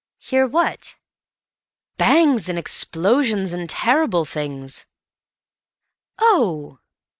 "Hear what?" "Bangs and explosions and terrible things." "Oh!"